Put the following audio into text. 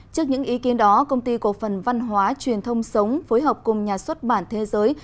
trước những ý kiến đó công ty cổ phần văn hóa truyền thông sống phối hợp cùng nhà xuất bản thế giới